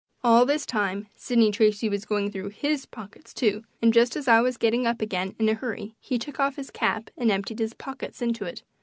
All this time Sidney Tracy was going through HIS pockets, too, and just as I was getting up again in a hurry he took off his cap and emptied his pockets into it.